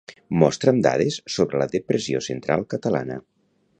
Mostra'm dades sobre la Depressió Central Catalana.